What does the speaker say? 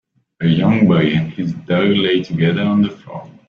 A young boy and his dog lay together on the floor.